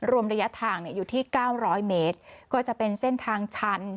รวมระยะทางอยู่ที่๙๐๐เมตรก็จะเป็นเส้นทางชั้น